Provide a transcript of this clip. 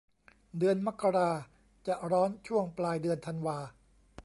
เดือนมกราจะร้อนช่วงปลายเดือนธันวา